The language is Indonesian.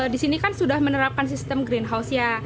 di sini kan sudah menerapkan sistem greenhouse ya